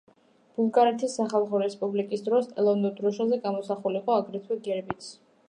ბულგარეთის სახალხო რესპუბლიკის დროს ეროვნულ დროშაზე გამოსახული იყო აგრეთვე გერბიც.